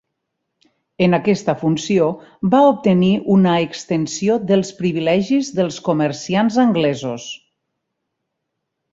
En aquesta funció, va obtenir una extensió dels privilegis dels comerciants anglesos.